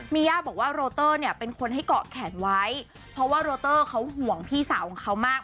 มีย่าบอกว่าโรเตอร์เนี่ยเป็นคนให้เกาะแขนไว้เพราะว่าโรเตอร์เขาห่วงพี่สาวของเขามาก